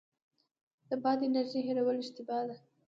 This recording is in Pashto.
د باد انرژۍ هیرول اشتباه ده.